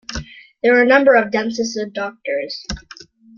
There were a number of dentists and doctors.